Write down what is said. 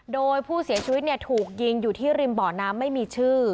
โดยผู้เสียชีวิตถูกยิงอยู่ที่ริมบ่อน้ำไม่มีชื่อ